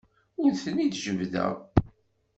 Ur ten-id-jebbdeɣ.